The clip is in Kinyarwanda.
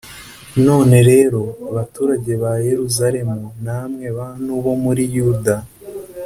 None rero, baturage ba Yeruzalemu, namwe bantu bo muri Yuda,